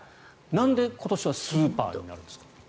なんで今年はスーパーになるんですか？